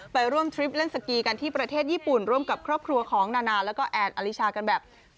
ไปร่วมทริปเล่นสกีกันที่ประเทศญี่ปุ่นร่วมกับครอบครัวของนานาแล้วก็แอนอลิชากันแบบ